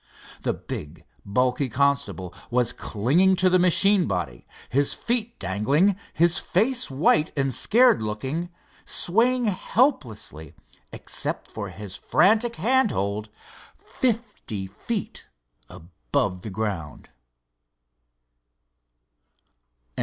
The big bulky constable was clinging to the machine body, his feet dangling, his face white and scared looking, swaying helplessly except for his frantic hand hold fifty feet above the ground!